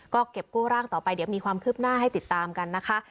ก็เก็บกู้ร่างต่อไปเดี๋ยวมีความคืบหน้าให้ติดตามกันนะคะ